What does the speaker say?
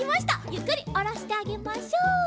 ゆっくりおろしてあげましょう。